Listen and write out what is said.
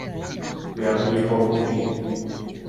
梁以后不明。